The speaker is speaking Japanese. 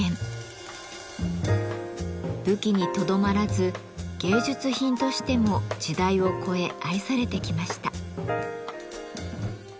武器にとどまらず芸術品としても時代を越え愛されてきました。